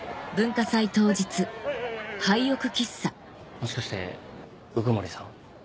もしかして鵜久森さん？